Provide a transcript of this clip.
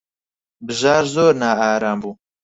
بژار زۆر نائارام بوو.